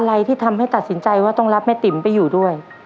อะไรที่ทำให้ตัดสินใจว่าต้องรับแม่ติ๋มไปอยู่ด้วย